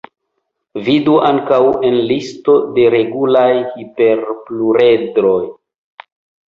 Vidu ankaŭ en listo de regulaj hiperpluredroj.